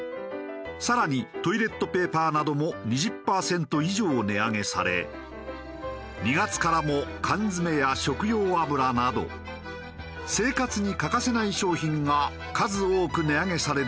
更にトイレットペーパーなども２０パーセント以上値上げされ２月からも缶詰や食用油など生活に欠かせない商品が数多く値上げされる予定だ。